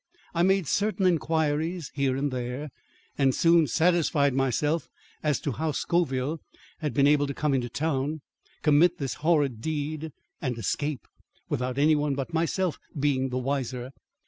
I made certain inquiries here and there, and soon satisfied myself as to how Scoville had been able to come into town, commit this horrid deed and escape without any one but myself being the wiser.